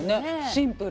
シンプル。